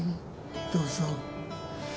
どうぞ。